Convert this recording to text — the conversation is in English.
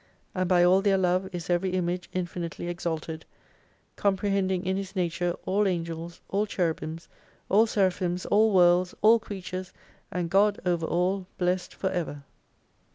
And by all their love is every Image infinitely exalted Comprehending in his nature all Angels, all Cherubims, all Seraphims, all Worlds, all Creatures, and GOD over all Blessed for ever.